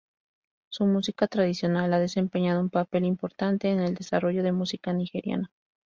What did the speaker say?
Su música tradicional ha desempeñado un papel importante en el desarrollo de música nigeriana.